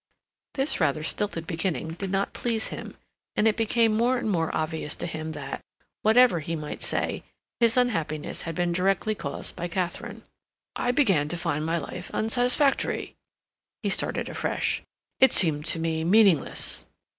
This rather stilted beginning did not please him, and it became more and more obvious to him that, whatever he might say, his unhappiness had been directly caused by Katharine. "I began to find my life unsatisfactory," he started afresh. "It seemed to me meaningless."